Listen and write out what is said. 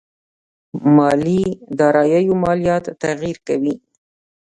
مالي داراییو ماليات تغير کوي.